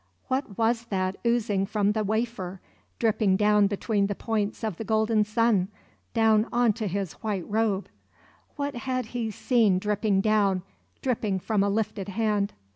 What was that oozing from the wafer dripping down between the points of the golden sun down on to his white robe? What had he seen dripping down dripping from a lifted hand?